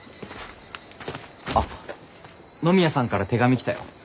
あっ野宮さんから手紙来たよ。